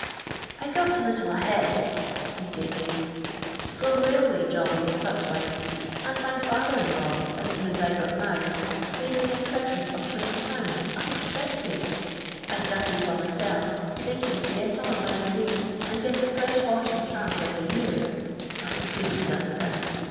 !*■ 1 cr^t a little a head," he stated, from ■ railway jobbing and such like, and my father in law, as soon ai I got married, made me a present of "Jn/. uui'xpecti d. I sLirted for myself, thinkin? to get on by degrees, and get a fresh 1 horse and c.irt every year. JJut it couldn't be ' done. sir.